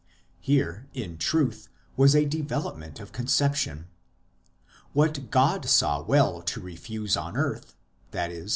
Here, in truth, was a development of conception. What God saw well to refuse on earth i.e.